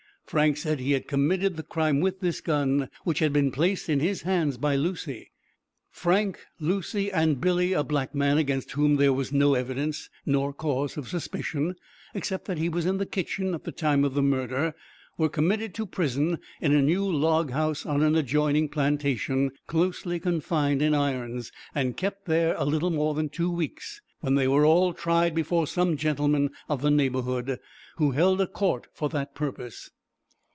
Frank said he had committed the crime with this gun, which had been placed in his hands by Lucy. Frank, Lucy and Billy, a black man, against whom there was no evidence, nor cause of suspicion, except that he was in the kitchen at the time of the murder, were committed to prison in a new log house on an adjoining plantation, closely confined in irons, and kept there a little more than two weeks, when they were all tried before some gentlemen of the neighborhood, who held a court for that purpose.